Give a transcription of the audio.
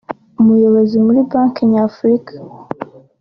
umuyobozi muri banki nyafurika